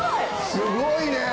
すごいね！